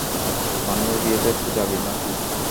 মান্নুর বিয়েতে তো যাবি, নাকি?